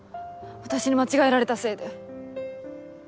私に間違えられたせいで。